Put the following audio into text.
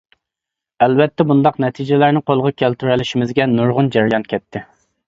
ئەلۋەتتە بۇنداق نەتىجىلەرنى قولغا كەلتۈرەلىشىمىزگە نۇرغۇن جەريان كەتتى.